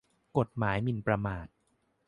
กฎหมายหมิ่นประมาท